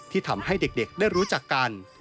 ที่ทำให้เด็กได้รู้จักกัน